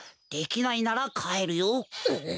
できないならかえるよ。